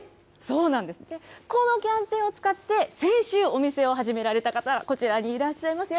このキャンペーンを使って、先週、お店を始められた方、こちらにいらっしゃいます。